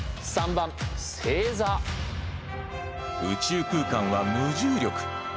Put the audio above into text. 宇宙空間は無重力。